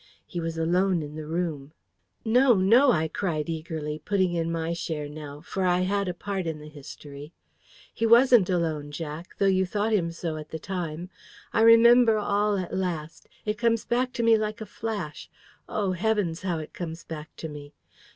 He was alone in the room " "No, no!" I cried eagerly, putting in my share now; for I had a part in the history. "He WASN'T alone, Jack, though you thought him so at the time. I remember all, at last. It comes back to me like a flash. Oh, heavens, how it comes back to me!